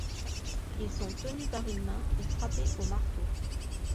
Ils sont tenus par une main et frappés au marteau.